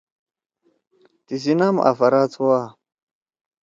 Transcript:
تیسی نام آفرا تُھوا۔